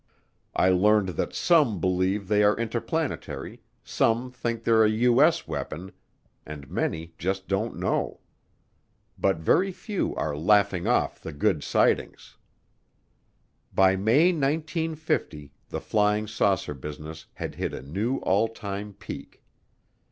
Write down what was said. I learned that some believe they are interplanetary, some think they're a U.S. weapon, and many just don't know. But very few are laughing off the good sightings. By May 1950 the flying saucer business had hit a new all time peak.